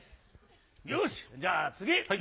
よしじゃあ次。